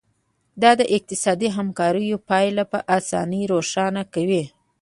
دا د اقتصادي همکاریو پایلې په اسانۍ روښانه کوي